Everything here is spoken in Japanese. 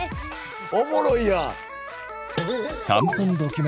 おもろいやん。